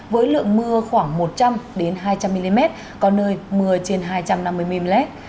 với lượng mưa khoảng một trăm linh hai trăm linh mm có nơi mưa trên hai trăm năm mươi mm